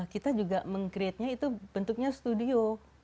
kita juga meng create nya itu bentuknya studio